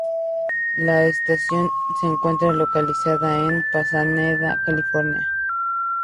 La estación se encuentra localizada en Pasadena, California.